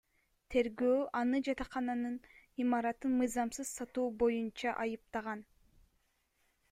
Тергөө аны жатакананын имаратын мыйзамсыз сатуу боюнча айыптаган.